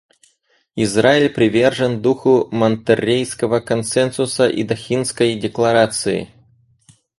Израиль привержен духу Монтеррейского консенсуса и Дохинской декларации.